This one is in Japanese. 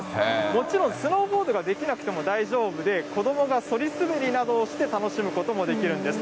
もちろんスノーボードができなくても大丈夫で、子どもがそり滑りなどをして楽しむこともできるんです。